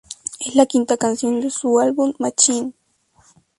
Es la quinta canción de su álbum Machine.